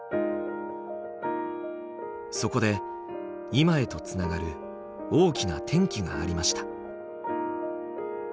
そこで今へとつながる大きな転機がありました。